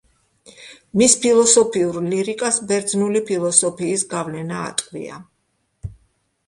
მის ფილოსოფიურ ლირიკას ბერძნული ფილოსოფიის გავლენა ატყვია.